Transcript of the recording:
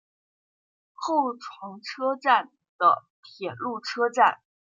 厚床车站的铁路车站。